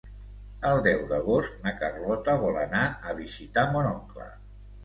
El deu d'agost na Carlota vol anar a visitar mon oncle.